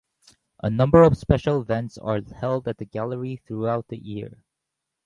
A number of special events are held at the gallery throughout the year.